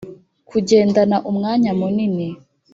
kugendana umwanya munini